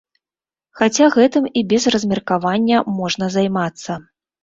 Хаця, гэтым і без размеркавання можна займацца.